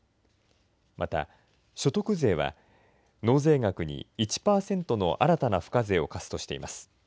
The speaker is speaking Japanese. また所得税は、納税額に１％の新たな付加税を課すとしています。